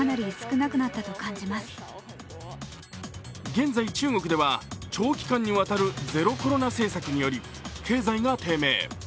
現在、中国では長期間にわたるゼロコロナ政策により経済が低迷。